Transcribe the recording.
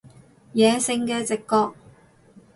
野性嘅直覺